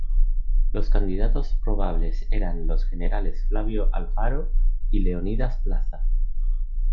Los candidatos probables eran los generales Flavio Alfaro y Leonidas Plaza.